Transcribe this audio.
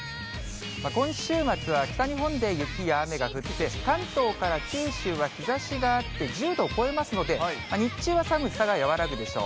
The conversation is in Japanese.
今週末は北日本で雪や雨が降って、関東から九州は日ざしがあって、１０度を超えますので、日中は寒さが和らぐでしょう。